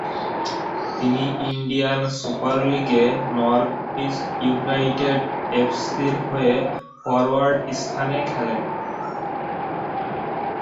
তিনি Indian super লীগে north east united F সির হয়ে ফরওয়ার্ড স্থানে খেলেন।